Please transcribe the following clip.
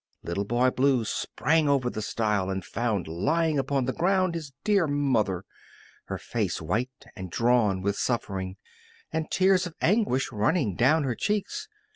Little Boy Blue sprang over the stile and found lying upon the ground his dear mother, her face white and drawn with suffering, and tears of anguish running down her cheeks.